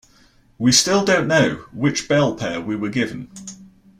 We still don't know which Bell pair we were given.